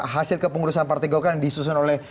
hasil kepengurusan partai golkar yang disusun oleh